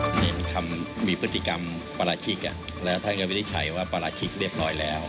เห็นมีพฤติกรรมปราชิกแล้วท่านก็วินิจฉัยว่าปราชิกเรียบร้อยแล้ว